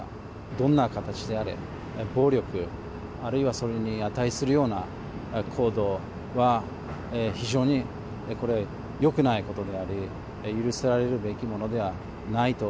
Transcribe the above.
どんな形であれ、暴力、あるいはそれに値するような行動は、非常にこれ、よくないことであり、許されるべきものではないと。